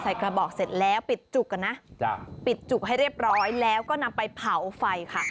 กระบอกเสร็จแล้วปิดจุกก่อนนะปิดจุกให้เรียบร้อยแล้วก็นำไปเผาไฟค่ะ